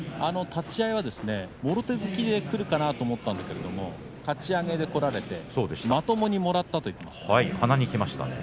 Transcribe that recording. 立ち合いはもろ手突きでくるかなと思ったんだけれどもかち上げでこられてまともにもらったと言っていました。